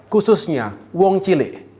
khususnya uang cile